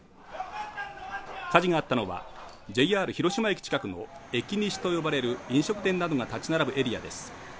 火事があったのはＪＲ広島駅近くのエキニシと呼ばれる飲食店などが立ち並ぶエリアです